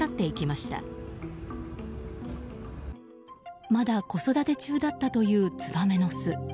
まだ子育て中だったというツバメの巣。